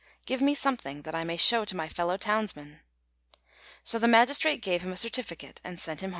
Give me something that I may show to my fellow townsmen." So the magistrate gave him a certificate and sent him home again.